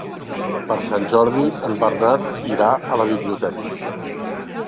Per Sant Jordi en Bernat irà a la biblioteca.